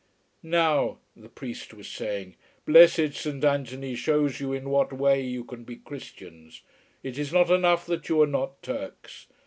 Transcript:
"Now," the priest was saying, "blessed Saint Anthony shows you in what way you can be Christians. It is not enough that you are not Turks.